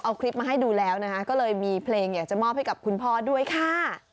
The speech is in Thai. เอาคลิปมาให้ดูแล้วนะคะก็เลยมีเพลงอยากจะมอบให้กับคุณพ่อด้วยค่ะ